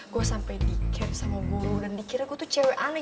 gue sampe di cab sama buru dan dikira gue tuh cewek aneh